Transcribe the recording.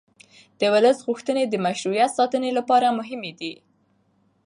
د ولس غوښتنې د مشروعیت ساتنې لپاره مهمې دي